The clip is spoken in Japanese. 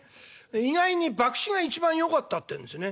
意外に博打が一番よかったってんですね。